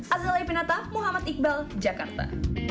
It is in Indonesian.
azalai pinata muhammad iqbal jakarta